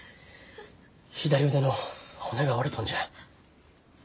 左腕の骨が折れとんじゃ。